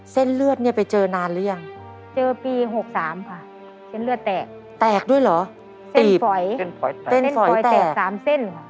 เส้นฝอยแตก๓เส้น